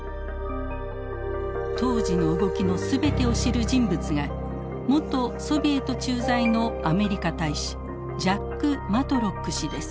当時の動きの全てを知る人物が元ソビエト駐在のアメリカ大使ジャック・マトロック氏です。